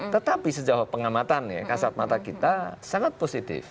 tetapi sejauh pengamatan ya kasat mata kita sangat positif